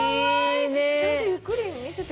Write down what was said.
ちゃんとゆっくり見せて。